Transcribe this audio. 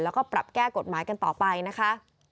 แล้วก็ปรับแก้กฎหมายกันต่อไปนะคะ